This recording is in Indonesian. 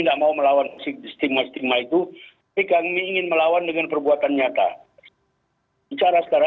enggak mau melawan stigma stigma itu tinggal ingin melawan dengan perbuatan nyata cara cara